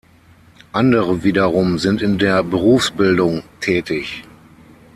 Andere wiederum sind in der Berufsbildung tätig.